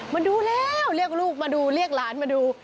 มาดูแล้วเรียกลูกมาดูเรียกหลานมาดู